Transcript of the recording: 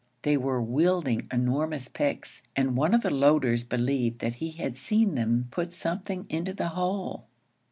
They were wielding enormous picks, and one of the loaders believed that he had seen them put something into the hole.